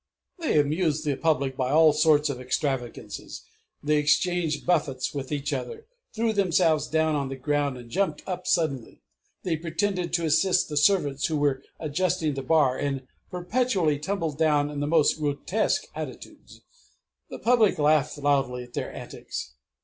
They amused the public by all sorts of extravagances; they exchanged buffets with each other; threw themselves down on the ground, and jumped up suddenly.... They pretended to assist the servants who were adjusting the bar, and perpetually tumbled down in the most grotesque attitudes. The public laughed loudly at their antics.